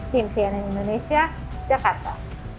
tim cnn indonesia jakarta